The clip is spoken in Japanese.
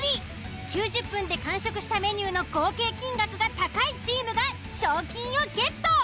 ［９０分で完食したメニューの合計金額が高いチームが］